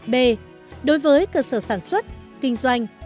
b đối với cơ sở sản xuất kinh doanh